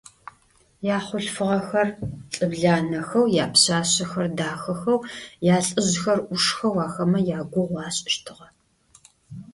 Yaxhulhfığexer lh'ıblanexeu, yapşsaşsexer daxexeu, yalh'ızjxer 'uşşxeu axeme yaguğu aş'ıştığe.